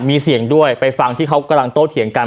มีเสียงด้วยไปฟังที่เขากำลังโต้เถียงกัน